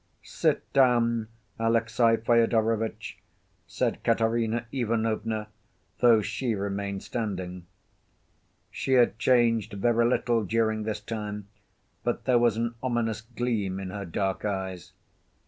"Sit down, Alexey Fyodorovitch," said Katerina Ivanovna, though she remained standing. She had changed very little during this time, but there was an ominous gleam in her dark eyes.